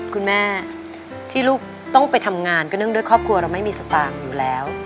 คุณแม่ที่ลูกต้องไปทำงานก็เนื่องด้วยครอบครัวเราไม่มีสตางค์อยู่แล้ว